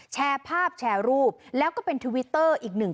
แชร์ภาพแชร์รูปแล้วก็เป็นทวิตเตอร์อีกหนึ่ง